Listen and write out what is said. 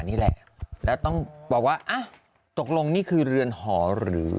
นี่แหละแล้วต้องบอกว่าตกลงนี่คือเรือนหอหรือ